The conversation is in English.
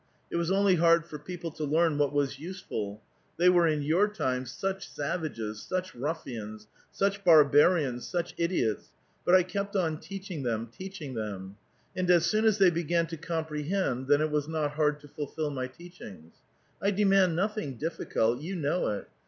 It was only hard for people to learn what was useful ; they were in yonr time such savages, such ruffians, such barbarians, such idiots, but I kept on teaching them, teaching them ; and as soon as they began to comprehend, then it was not hard to fulfil mv teachinj^s. I demand noth ing difficult; you know it.